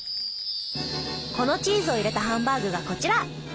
このチーズを入れたハンバーグがこちら！